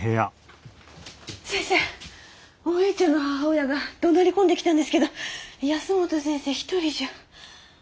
先生おえいちゃんの母親がどなり込んできたんですけど保本先生一人じゃ。